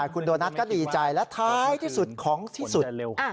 คุณโดนัทก็ดีใจและท้ายที่สุดของที่สุด